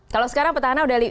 kalau sekarang petahana sudah